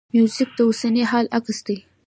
موزیک د اوسني حال عکس دی.